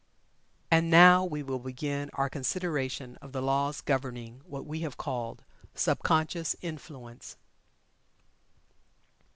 And, now we will begin our consideration of the laws governing what we have called "Sub conscious Influence."